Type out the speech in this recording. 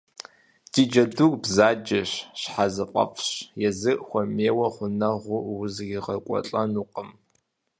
Ди джэдур бзаджэщ, щхьэзыфӏэфӏщ, езыр хуэмейуэ гъунэгъуу узригъэкӀуэлӀэнукъым.